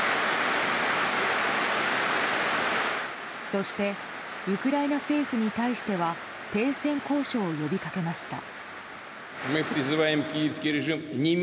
そしてウクライナ政府に対しては停戦交渉を呼びかけました。